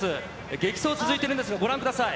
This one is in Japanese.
激走、続いてるんですが、ご覧ください。